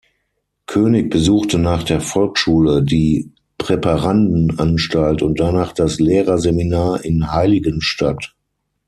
König besuchte nach der Volksschule die Präparandenanstalt und danach das Lehrerseminar in Heiligenstadt.